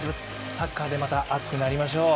サッカーでまた熱くなりましょう。